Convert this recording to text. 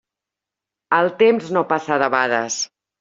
El temps no passa debades.